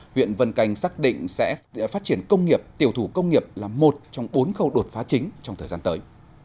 huyện vân canh xác định sẽ phát triển công nghiệp tiểu thủ công nghiệp là một trong bốn khâu đột phá chính trong thời gian tới